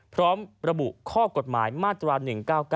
พร้อมระบุข้อกฎหมายมาตรา๑๙๙